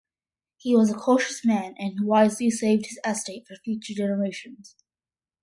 He was a cautious man, and wisely saved his estate for future generations.